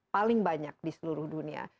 paling banyak di seluruh dunia